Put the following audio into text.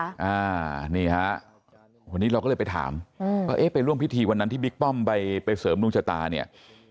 อ่านี่ฮะวันนี้เราก็เลยไปถามว่าเอ๊ะไปร่วมพิธีวันนั้นที่บิ๊กป้อมไปไปเสริมดวงชะตาเนี่ย